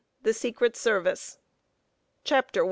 THE SECRET SERVICE. CHAPTER I.